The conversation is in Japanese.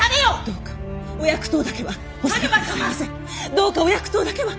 どうかお薬湯だけは！